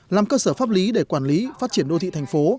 làm cơ sở pháp lý để quản lý phát triển đô thị thành phố